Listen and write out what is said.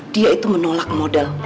dia itu menolak model